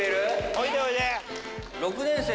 おいでおいで。